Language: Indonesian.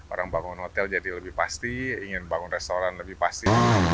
orang bangun hotel jadi lebih pasti ingin bangun restoran lebih pasti